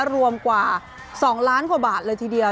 รวมกว่า๒๐๐๐๐๐๐บาทเลยทีเดียว